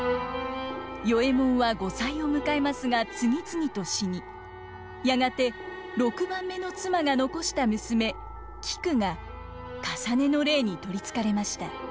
与右衛門は後妻を迎えますが次々と死にやがて六番目の妻が残した娘菊が累の霊に取りつかれました。